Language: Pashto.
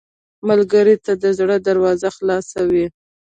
ملګری ته د زړه دروازه خلاصه وي